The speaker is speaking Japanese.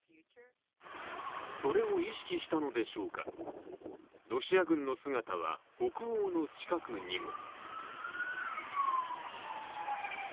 それを意識したのでしょうか、ロシア軍の姿は北欧の近くにも。